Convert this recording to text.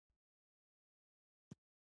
غول د امیندوارۍ خبرونه ورکوي.